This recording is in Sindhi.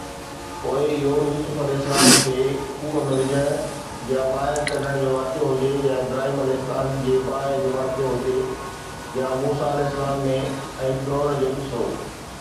پوءِ اهو يوسف (ع) کي کوهه ۾ وجهڻ يا ٻاهر ڪڍڻ جو واقعو هجي يا ابراهيم (ع) جي باهه جو واقعو هجي يا موسيٰ (ع) ۽ فرعون جو قصو.